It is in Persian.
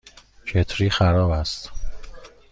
کتری خراب است.